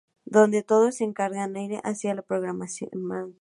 Donde todo se encamina hacia lo programático.